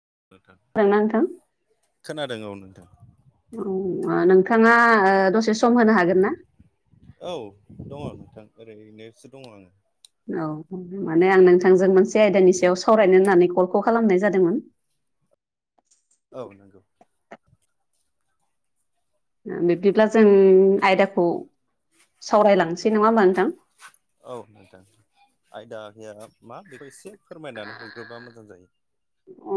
औ नोंथां खोनादोंना नोंथां? खोनादों औ नोंथां। नोंथाङा ओ दसे सम होनो हागोन ना? औ दङ' नोंथां ओरैनोसो दङ' आङो। औ माने आं नोंथांजों मोनसे आयदानि सायाव सावरायनो होननानै कलखौ खालामनाय जादोंमोन। औ नंगौ। बिबदिब्ला जों। आयदाखौ सावरायलांनोसै नङा होमा नोंथां? आयदा गैया मा बेखौ एसे फोरमायनानै हरग्रोबा मोजां जायो। अ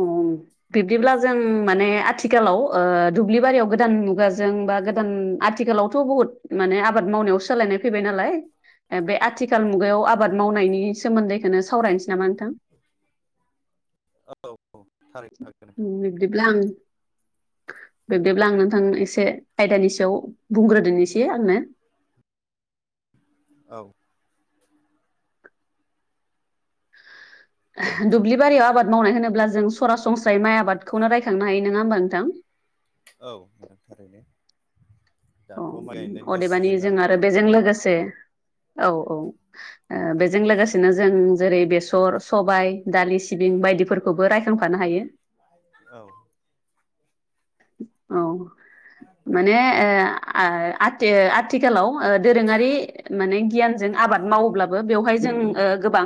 बिब्दिब्ला जों माने आथिखालाव ओ दुब्लि बारियाव गोदान मुगाजों। बा गोदान आथिखालावथ' बहुत माने आबाद मावनायाव सोलायनाय फैबाय नालाय बे आथिखा। आथिखाल मुगायाव आबाद नंगौ मावनायनि सोमोन्दैखौनो सावरायनोसै नामा? नोंथां? औ-औ। बिबदिब्ला आं। [inaudible] बिब्दिब्ला आं नोंथां एसे आयदानि सायाव बुंग्रोदोनिसै आंनो? औ। ओह दुब्लि बारियाव आबाद मावनाय होनोब्ला जों सरासनस्रायै माइ आबादखौनो रायखांनो हायो नङा होमबा नोंथां? औ नोंथां थारैनो। औ दाथ' माइ गायनायनिबो अदेबानि सिजोन जों नालाय आरो बेजों लोगोसे। औ-औ ओ बेजों लोगोसेनो जों जेरै- बेसर, सबाय। दालि, सिबिं बायदिफोरखौबो रायखांफानो हायो। औ औ माने ओ आ-आथि-आथिखालाव। ओ दोरोङारि माने गियानजों आबाद मावोब्लाबो बेवहाय जों ओ गोबां।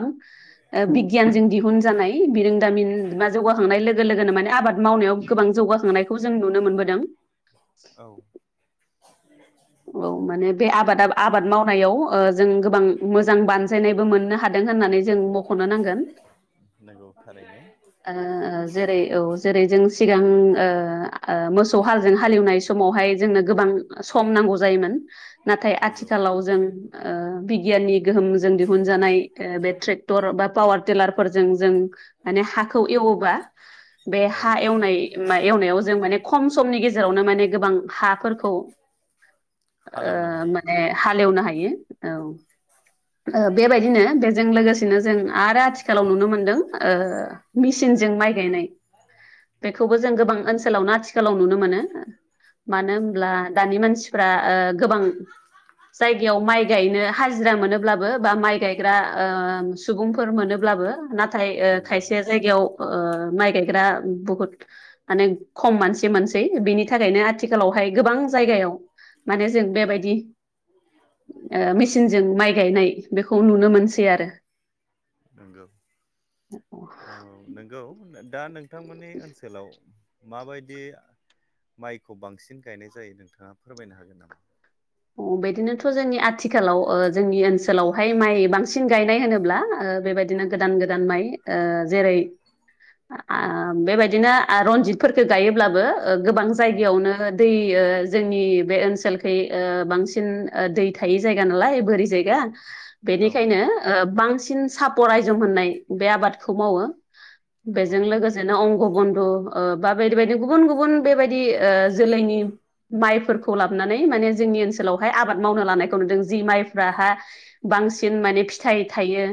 ओ बिगियानजों दिहुनजानाय बिरोंदामिन बा जौगाखांनाय लोगो-लोगोनो माने आबाद मावनायाव गोबां जौ। जौगाखांनायखौ जों नुनो मोनबोदों। औ औ माने बे आबादा-आबाद मावनायाव ओ जों गोबां मोजां बान। जायनायबो मोननो हादों होननानै जों मख'नो नांगोन। आरो। ओ जेरै-औ जेरै जों सिगां ओ-ओ मोसौ हालजों हालेवनाय सम। समावहाय जोंनो गोबां सम नांगौ। जायोमोन नाथाय नंगौ आथिखालाव जों ओ बिगियाननि गोहोमजों दिहुनजानाय ओ। बे ट्रेक्टर बा पावार टिलारफोरजों जों। माने हाखौ एवोबा बे औ हा एवनाय-एवनायाव जों माने खम समनि गेजेराव। जेरावनो माने गोबां हाफोरखौ। [inaudible] हालेवनो ओ हायो माने हालेवनो हायो औ। ओ बेबायदिनो बेजों लोगोसेनो जों आरो आथिखालाव नुनो मोनदों ओ मिसिन। सिनजों माइ गायनाय। बेखौबो जों गोबां ओनसोलावनो आथिखालाव नुनो मोनो, मानो होनब्ला दानि मानसि। फ्रा ओ गोबां जायगायाव माइ गायनो हाजिरा मोनोब्लाबो बा माइ। गायग्रा ओ सुबुंफोर मोनोब्लाबो नाथाय ओ नंगौ खायसे जायगायाव। माइ गायग्रा बुहुद माने खम मानसि मोनसै बिनि थाखायनो आथिखालावहाय गोबां जायगायाव माने जों बेबायदि ओ मेचिनजों माइ गायनाय बेखौ नुनो मोनसै आरो। नंगौ औ नंगौ दा नों थांमोननि ओनसोलाव माबायदि माइखौ बांसिन गायनाय जायो नोंथाङा फोरमायनो हागोन नामा? बिदिनोथ' जोंनि आथिखालाव जोंनि ओनसोलावहाय माइ बांसिन गायनाय होनोब्ला ओ बेबायदिनो गोदान गोदान माइ ओ‌ जेरै- ओ बेबायदिनो ओ रनजितफोरखो गायोब्लाबो ओ गोबां औ जायगायावनो दै ओ जोंनि बे ओनसोलखै ओ बांसिन ओ दै थायै जायगा नालाय बोरि जायगा औ बेनिखायनो ओ बांसिन सापर आइजुम होननाय बे आबादखौ मावो। औ बेजों लोगोसेनो [unintelligible] ओ बा बायदि बायदि गुबुन गुबुन बेबायदि ओ जोलैनि माइफोर खौ लाबनानै माने जोंनि ओनसोलावहाय आबाद मावनो लानायखौ नुदों। जि माइफ्राहा बांसिन माने फिथाइ थायो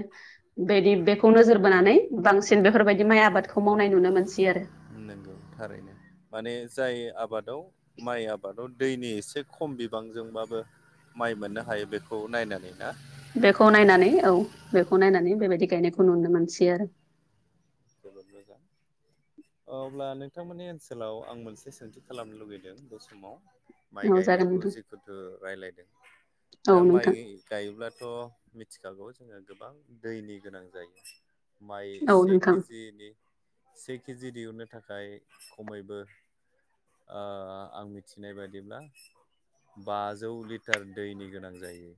बेदि, बेखौ नोजोर माने बोनानै बांसिन बेफोरबायदि माइ आबादखौ मावनाय नुनो मोनसै आरो। नोंगौ थारैनो माने जाय आबादाव माइ आबादाव दैनि एसे खम बिबांजोंबाबो माइ मोननो हायो बेखौ नायनानै ना? बेखौ नायनानै औ बेखौ नायनानै बेबायदि गायनायखौ नुनो मोनसै आरो। जोबोद मोजां। अब्ला नोंथांमोननि ओनसोलाव आं मोनसे सोंथि खालामनो लुुबैदों बे समाव माइ औ जागोन गायनायखौ जिहेथु रायलायदों दा माइ नोंथां गायोब्लाथ' मिथिखागौ जोङो गोबां दैनि गोनां जायो, माइ औ से नोंथां केजिनि से केजि दिहुननो थाखाय खमैबो ओ आं मिथिनाय बायदिब्ला बाजौ लिटार दैनि गोनां जायो।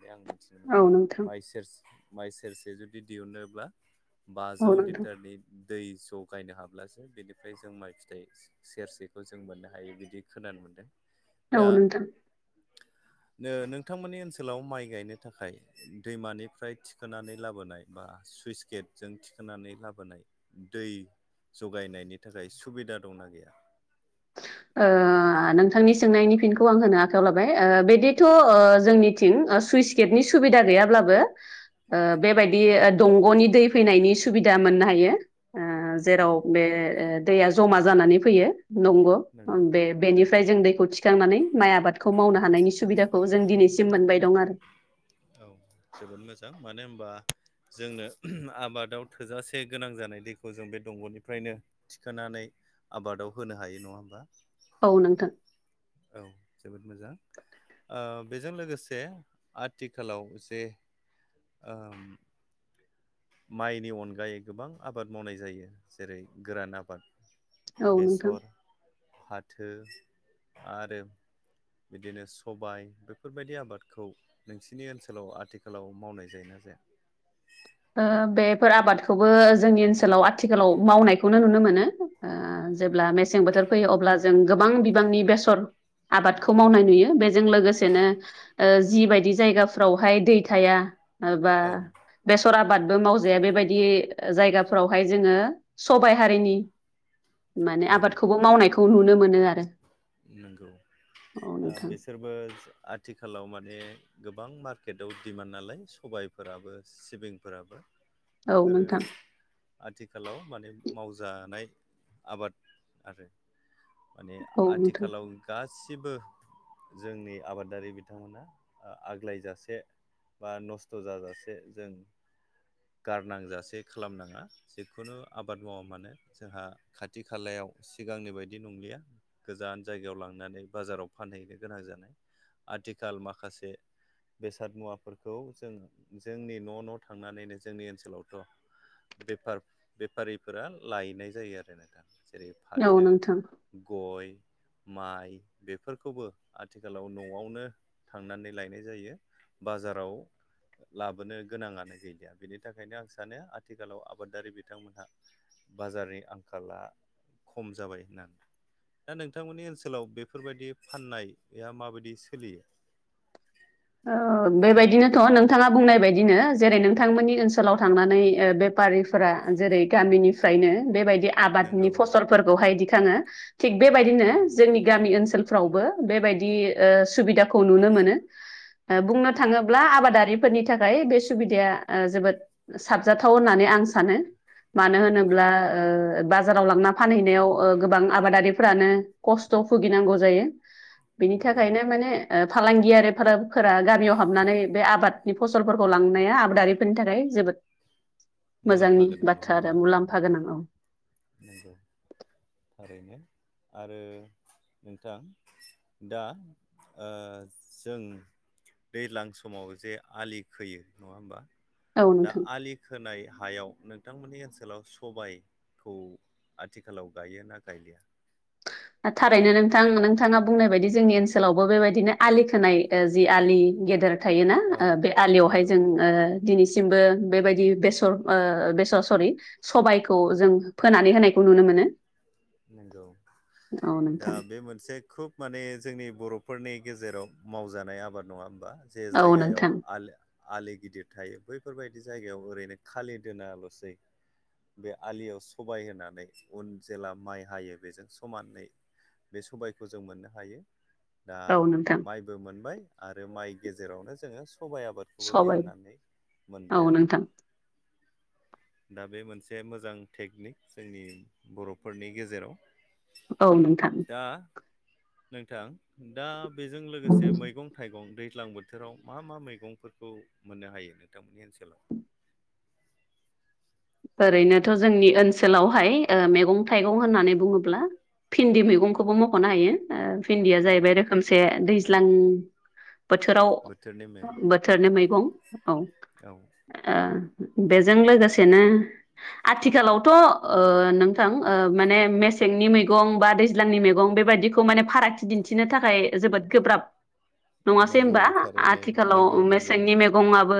आं मिथिनो मोनदों औ नोंथां माइ सेर माइ सेरसे जुदि दिहुनोब्ला बाजौ औ नोंथां औ नोंथां लिटारनि दै ज' गायनो हाब्लासो बेनिफ्राय जों माइ फिथाइ सेरसेखौ जों मोननो हायो बिदि खोनानो मोनदों औ दा नोंथां। [unintelligible] नोंथांमोननि ओनसोलाव माइ गायनो थाखाय दैमानिफ्राय थिखोनानै लाबोनाय बा सुइस गेटजों थिखोनानै लाबोनाय दै जगायनायनि थाखाय सुबिदा दंना गैया? ओ नोंथांनि सोंनायनि फिनखौ आं होनो आखायाव लाबाय ओ बिदिथ' ओ जोंनि थिं ओ सुइस गेटनि सुबिदा गैयाब्लाबो ओ बेबायदि ओ दंग'नि दै फैनायनि सुबिदा मोननो हायो। ओ औ जेराव बे ओ दैया जमा जानानै फैयो। नंगौ ओं नंगौ बे-बेनिफ्राय जों दैखौ थिखांनानै माइ आबादखौ मावनो हानायनि सुबिदाखौ जों दिनैसिम मोनबाय दं आरो। औ जोबोद मोजां मानो होनबा जोंनो आबादाव थोजासे गोनां जानाय दैखौ जों बे दंग'निफ्रायनो थिखोनानै आबादाव होनो हायो नङा होमबा? औ नोंथां। औ जोबोद मोजां। ओ बेजों लोगोसे आथिखालाव जे ओ माइनि अनगायै गोबां आबाद मावनाय जायो जेरै गोरान आबाद औ नोंथां बेसर, फाथो आरो बिदिनो सबाय बेफोरबायदि आबादखौ नोंसिनि ओनसोलाव आथिखालाव मावनाय जायो ना जाया? फोर आबादखौबो जोंनि ओनसोलाव आथिखालाव मावनायखौनो नुनो मोनो जेब्ला मेसें बोथोर फैयो अब्ला जों गोबां बिबांनि बेसर आबादखौ मावनाय नुयो बेजों लोगोसेनो जिबायदि जायगाफ्रावहाय दै थाया ओ बा औ बेसर आबादबो मावजाया बेबायदि जायगाफोरावहाय जोङो सबाइ हारिनि माने औ आबादखौबो मावनायखौ नुनो मोनो आरो नंगौ औ दा नोंथां बिसोरबो आथिखालाव माने गोबां मार्केटआव डिमान्ड नालाय सबायफोराबो सिबिंफोराबो औ बेफोरो नोंथां आथिखालाव माने मावजानाय आबाद आरो माने औ नोंथां आथिखालाव गासिबो जोंनि आबादारि बिथांमोना आग्लायजासे बा नस्थ' जाजासे जों गारनांजासे खालामनाङा जिखुनु आबाद मावा मानो जोंहा खाथि खालायाव सिगांनि बायदि नंलिया गोजान जायगायाव लांनानै बाजाराव फानहैनो गोनां जानाय आथिखाल माखासे बेसाद मुवाफोरखौ जों जोंनि न' न' थांनानैनो जोंनि ओनसोलावथ' बेफार-बेफारिफोरा लायनाय जायो आरोना नोंथां। जेरै औ फाथो नोंथां गय माइ बेफोरखौबो आथिखालाव न'आवनो थांनानै लायनाय जायो। बाजाराव लाबोनो गोनाङानो गैलि आरो बिनि थाखायनो आं सानो आथिखालाव आबादारि बिथांमोनहा बाजारनि आंखाला खम जाबाय होननानै। दा नोंथांमोननि ओनसोलाव बेफोरबायदि फाननायआ माबायदि सोलियो? [inaudible] ओ बेबायदिनोथ' नोंथाङा बुंनाय बायदिनो जेरै नोंथांमोननि ओनसोलाव थांनानै ओ बे फारिफोरा जेरै गामिनिफ्रायनो बेबाय दि आबादनि नंगौ फसलफोरखौहाय दिखाङो थिग बेबायदिनो नंगौ जोंनि गामि ओनसोलफ्रावबो बेबायदि ओ सुबिदाखौ नुनो मोनो। बुंनो थाङोब्ला आबादारिफोरनि थाखाय बे सुबिदाया ओ जोबोद साबजाथाव होननानै आं आं सानो मानो नंगौ होनोब्ला ओ बाजाराव लांना फानहैनायाव ओ गोबां आबादारिफ्रानो खस्थ' भुगिनांगौ जायो। बिनि नंगौ थाखायनो माने ओ फालांगि आरो फोर फोरा गामियाव हाबनानै बे आबादनि फसलफोरखौ लांनाया आबादारिफोरनि थाखाय जोबोद मुलाम्फा मोजांनि गोनां नङा बाथ्रा होमबा आरो मुलाम्फा गोनां औ। नंगौ थारैनो आरो नोंथां दा ओ जों दैज्लां समाव जे आलि खोयो नङा होमबा औ दा नोंथां आलि खोनाय हायाव नोंथांमोननि ओनसोलाव सबाय खौ आथिखालाव गायो ना गायलिया? थारैनो नोंथां नोंथाङा बुंनाय बायदि जोंनि ओनसोलावबो बेबायदिनो आलि खोनाय ओ जि आलि गेदेर थायोना औ ओ बे आलियावहाय नंगौ जों ओ दिनैसिमबो बेबायदि बेसर ओ बेसर सरि सबायखौ जों फोनानै होनायखौ नुनो मोनो। नंगौ औ दा नोंथां बे मोनसे खोब माने जोंनि बर' फोरनि गेजेराव मावजानाय आबाद नङा होमबा जे औ जायगायाव नोंथां आलो आलि गिदिर थायो बैफोरबायदि जायगायाव ओरैनो खालि दोनाल'सै बे आलियाव सबाय होनानै उन जेला माइ हायो बेजों समानै बे सबायखौ जों मोननो हायो। दा औ नोंथां माइबो मोनबाय आरो माइ गेजेरावनो जोङो स सबायाइ आबादखौबो सबाय दिहुनन्नानै औ मोनबाय आरो। नोंथां दा बे मोनसे मोजां टेकनिक जोंनि बरफोरनि गेजेराव औ नोंथां। दा नोंथां दा बेजों लोगोसे मैगं थाइ दैज्लां बोथोराव मा मा मैगंफोरखौ मोननो हायो नोंथांमोननि ओनसोला? [unintelligible] ओरैनोथ जोंनि ओनसोलावहाय ओ मेगं थाइगं होननानै बुङोब्ला फिन्दि मैगंखौबो मखनो हायो फिन्दिया औ जाहैबाय रोखोमसे दैज्लां बोथोराव बोथोरनि मैगं बोथोरनि मैगं औ ओ औ बेजों लोगोसेनो [unintelligible] आथिखालावथ ओ नोंथां ओ माने मेसेंनि मैगं बा दैज्लांनि मैगं बेबायदिखौ माने फारागथि दिन्थिनो थाखाय जोबोद गोब्राब नङासै नंगौ होनबा थारैनो नंगौ आथिखालाव नंगौ मेसेंनि मैगंआबो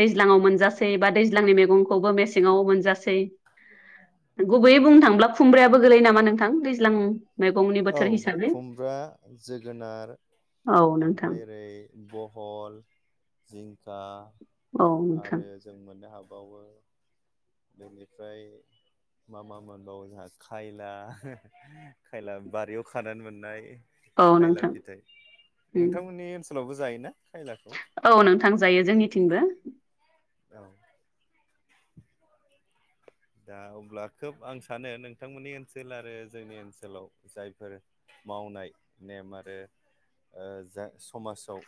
दै ज्लांआव मोनजासै बा दैज्लांनि मैगंखौबो मेसेङाव मोनजै गुबैयै बुं थांल्बा खुंब्रायाबो गोलै नामा नोंथां दैज्लां मैगंनि औ बोथोर हिसाबै खुमब्रा जोगोनार औ नोंथां ओमफ्राय ओरै बहल जिंखा औ नोंथां आरो जों मोननो हाग बेनिफ्राय मा मा मोनबावो जोंहा खायला खायला बारियाव खानानै मोननाय औ खायला नोंथां फिथाइ उम नोंथांमोननि ओनसोलावबो जायोना? खायलाखौ औ नोंथां जायो जोंनिथिंबो औ दा अब्ला खोब आं सानो नोंथांमोननि ओनसोल आरो जोंनि ओनसोलाव जायफोर मावनाय नेम आरो ओ जा समाजाव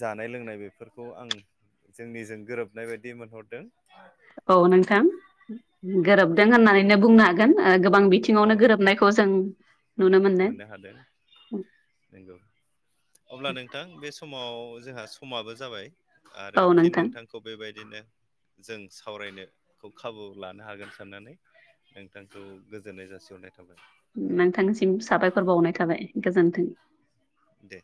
जानाय लोंनाय बेफोरखौ आं जोंनिजों गोरोबनाय बायदि मोनहरदों औ नोंथां गोरोबदों होननानैनो बुंनो हागोन ओ गोब बां औ बिथिङावनो गोरोबनायखौ जों नुनो मोनो मोननो हादों नंगौ अब्ला नोंथां बे समाव जोंहा समाबो जाबाय आरो औ फिन नोंथां नोंथांखौ बेबायदिनो जों सावरायनो खौ खाबु लानो हागोन साननानै नोंथांखौ गोजोननाय जासिहरनाय थाबाय नोंथांनिसिम साबायखर बावनाय थाबाय गोजोन्थों दे